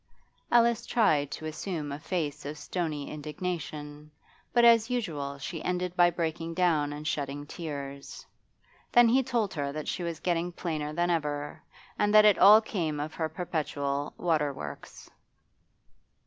Alice tried to assume a face of stony indignation, but as usual she ended by breaking down and shedding tears. Then he told her that she was getting plainer than ever, and that it all came of her perpetual 'water works.